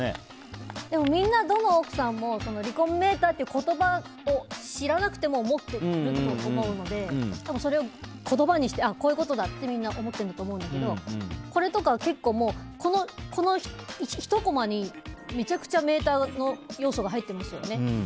みんなどの奥さんも離婚メーターっていう言葉を知らなくても思っていると思うのでそれを言葉にしてこういうことだって思ってるんだと思うけどこれとか結構、このひとコマにめちゃくちゃメーターの要素が入っていますよね。